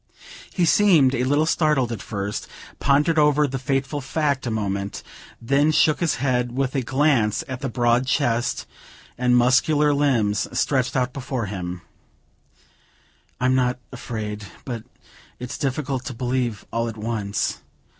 He seemed a little startled at first, pondered over the fateful fact a moment, then shook his head, with a glance at the broad chest and muscular limbs stretched out before him: "I'm not afraid, but it's difficult to believe all at once.